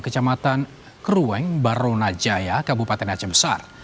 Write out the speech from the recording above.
kecamatan kerueng barona jaya kabupaten aceh besar